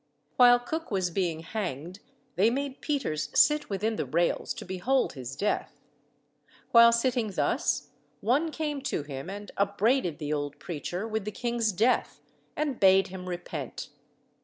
While Cook was being hanged they made Peters sit within the rails to behold his death. While sitting thus, one came to him and upbraided the old preacher with the king's death, and bade him repent.